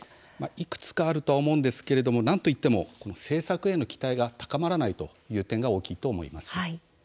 いくつかあるとは思うんですけれどもなんと言っても政策への期待が高まらないという点が大きいと思います。